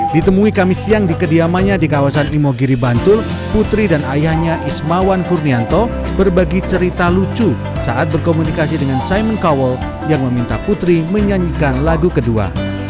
ditemui kami siang di kediamannya di kawasan imogiri bantul putri dan ayahnya ismawan furnianto berbagi cerita lucu saat berkomunikasi dengan simon cowell yang meminta putri menyanyikan lagu kedua